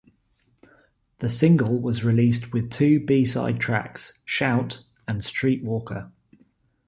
The single was released with two B-side tracks, "Shout" and "Streetwalker".